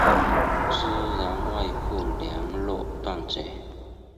朱然外部连络断绝。